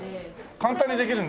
簡単にできるんだ。